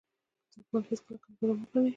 دښمن هیڅکله کمزوری مه ګڼئ.